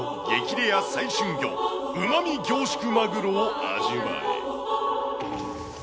レア最旬魚、うまみ凝縮マグロを味わえ。